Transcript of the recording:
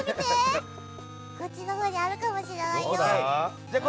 こっちのほうにあるかもしれないよ。